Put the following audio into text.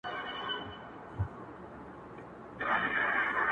یوه ورځ قسمت راویښ بخت د عطار کړ،